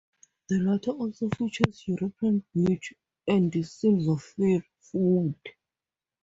The latter also features European beech and silver fir woods.